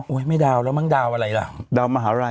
อุ้ยไม่ดาวแล้วมั้งดาวอะไรระเดามหาไร